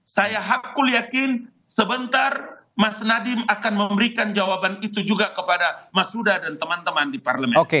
saya hakul yakin sebentar mas nadiem akan memberikan jawaban itu juga kepada mas huda dan teman teman di parlemen